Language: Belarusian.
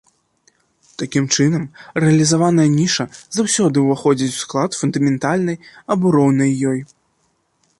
Такім чынам, рэалізаваная ніша заўсёды ўваходзіць у склад фундаментальнай або роўная ёй.